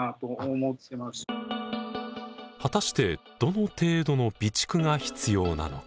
果たしてどの程度の備蓄が必要なのか。